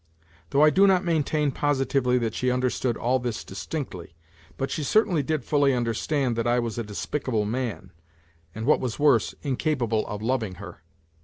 ... Though I do not maintain positively that she understood all this distinctly; but she certainly did fully understand that I was a despicable man, and what was worse, incapable of loving her.